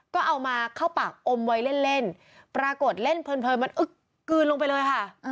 ก็เอามาเข้าปากอมไว้เล่นปรากฏเล่นเพลินมันอึ๊กกลืนลงไปเลยค่ะ